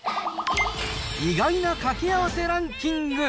意外なかけあわせランキング。